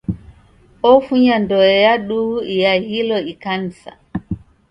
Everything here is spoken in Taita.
Ofunya ndoe ya duhu iaghilo ikanisa.